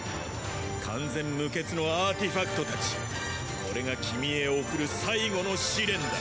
完全無欠のアーティファクトたちこれが君へ送る最後の試練だ。